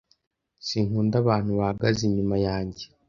Sinkunda abantu bahagaze inyuma yanjye.